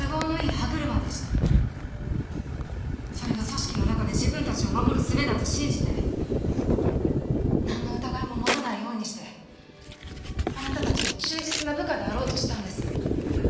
それが組織の中で自分たちを守る術だと信じてなんの疑いも持たないようにしてあなたたちの忠実な部下であろうとしたんです。